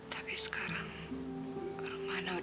tapi sekarang rumana udah bersama rahmadi